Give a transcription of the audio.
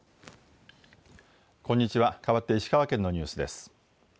こんにちは、かわって石川県のニュースです。